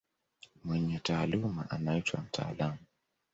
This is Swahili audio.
Mwenye taaluma anaitwa mtaalamu.